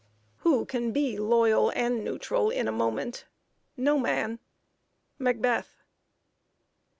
Who can be Loyal and neutral in a moment? No man. MACBETH.